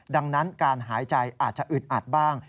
ดังนั้นการหายใจอาจจะอึดอัดบ้าง